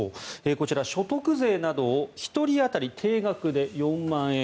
こちら、所得税などを１人当たり定額で４万円